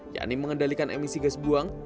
yakni mengendalikan emisi gas buang